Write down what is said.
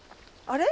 あれ？